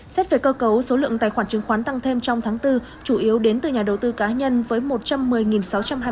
xét về cơ cấu số lượng tài khoản chứng khoán tăng thêm trong tháng bốn chủ yếu đến từ nhà đầu tư cá nhân